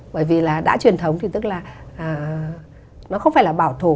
bởi vì là đã truyền thống thì tức là nó không phải là bảo thủ